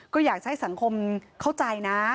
ก็อยากจะให้สังคมเข้าใจนะ